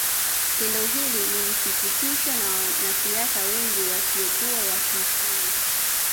Tendo hili lilisikitisha wanasiasa wengi wasiokuwa Wakikuyu